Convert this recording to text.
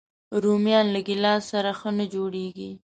رومیان له ګیلاس سره ښه نه جوړيږي